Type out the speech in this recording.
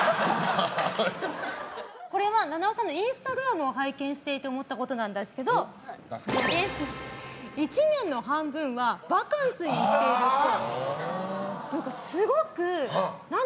これは菜々緒さんのインスタグラムを拝見していて思ったことなんですけど１年の半分はヴァカンスに行っているっぽい。